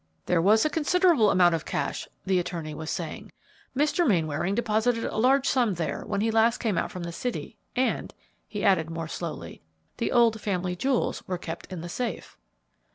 "There was a considerable amount of cash," the attorney was saying. "Mr. Mainwaring deposited a large sum there when he last came out from the city, and," he added more slowly, "the old family jewels were kept in the safe."